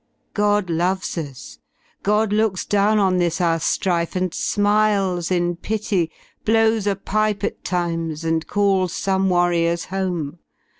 God loves U/S, God looks down on this our Strife And smiles in pity, blows a pipe at times And calls some warriors home.